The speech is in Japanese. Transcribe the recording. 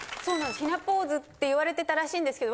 「雛ポーズ」って言われてたらしいんですけど。